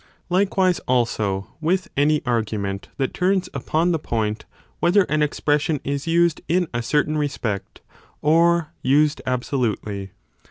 Likewise also with any argument that turns upon the point whether an expression is used in a certain respect or used absolutely.